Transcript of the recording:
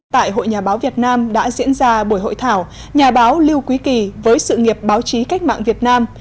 tại hội nhà báo việt nam đã diễn ra buổi hội thảo nhà báo lưu quý kỳ với sự nghiệp báo chí cách mạng việt nam